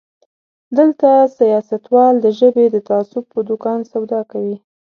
دلته سياستوال د ژبې د تعصب په دوکان سودا کوي.